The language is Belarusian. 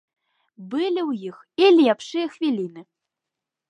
Былі ў іх і лепшыя хвіліны.